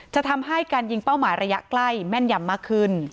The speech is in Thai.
จะทำให้การยิงเป้าหมายระยะใกล้แม่นยำมากขึ้น